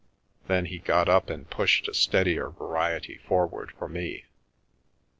Then he got up and pushed a steadier variety forward for me.